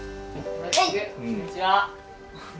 よろしくこんにちは。